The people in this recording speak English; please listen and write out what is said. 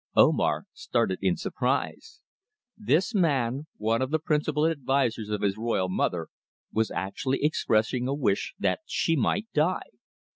Omar started in surprise. This man, one of the principal advisers of his royal mother, was actually expressing a wish that she might die!